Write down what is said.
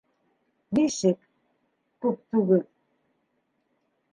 Нисек... күп түгел?